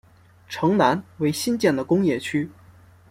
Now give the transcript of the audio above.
城南为新建的工业区。